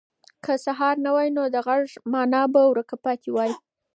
که سهار نه وای، نو د غږ مانا به ورکه پاتې وای.